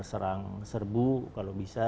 serang serbu kalau bisa